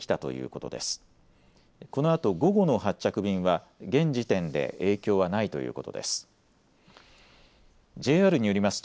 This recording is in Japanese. このあと午後の発着便は、現時点で影響はないということです。